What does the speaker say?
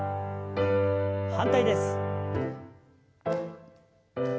反対です。